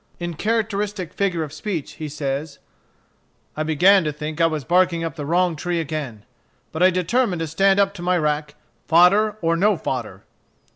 In characteristic figure of speech he says, "I began to think I was barking up the wrong tree again. But I determined to stand up to my rack, fodder or no fodder."